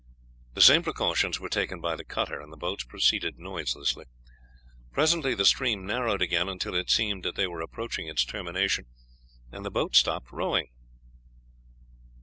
The same precautions were taken by the cutter, and the boats proceeded noiselessly. Presently the stream narrowed again, until it seemed that they were approaching its termination, and the boat stopped rowing.